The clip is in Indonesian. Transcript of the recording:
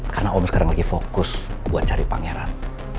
karena om sekarang lagi fokus buat cari pangeran